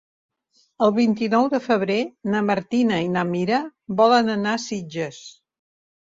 El vint-i-nou de febrer na Martina i na Mira volen anar a Sitges.